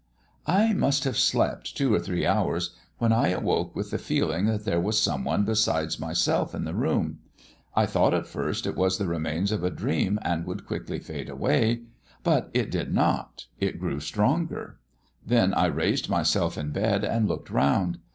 "I must have slept two or three hours when I awoke with the feeling that there was someone besides myself in the room. I thought at first it was the remains of a dream and would quickly fade away; but it did not, it grew stronger. Then I raised myself in bed and looked round.